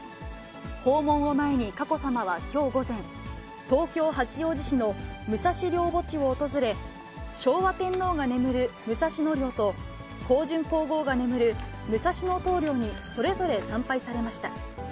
訪問を前に佳子さまはきょう午前、東京・八王子市の武蔵陵墓地を訪れ、昭和天皇が眠る武蔵野陵と香淳皇后が眠る武蔵野東陵に、それぞれ参拝されました。